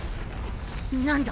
何だ？